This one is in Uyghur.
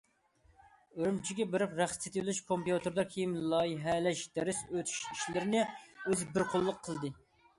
ئۈرۈمچىگە بېرىپ رەخت سېتىۋېلىش، كومپيۇتېردا كىيىم لايىھەلەش، دەرس ئۆتۈش ئىشلىرىنى ئۆزى بىر قوللۇق قىلدى.